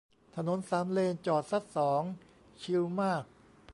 ถนนสามเลน จอดซะสอง ชิลมาก